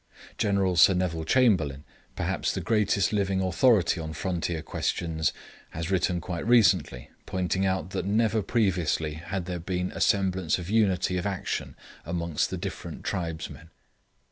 General Sir Neville Chamberlain, perhaps the greatest living authority on frontier questions, has written quite recently, pointing out that never previously had there been a semblance of unity of action amongst the different tribesmen.